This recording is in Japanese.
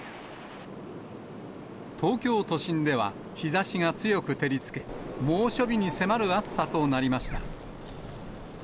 東京都心では、日ざしが強く照りつけ、猛暑日に迫る暑さとなりました。